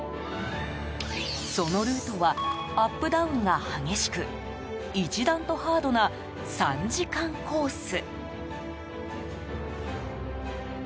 そのルートはアップダウンが激しく一段とハードな３時間コース。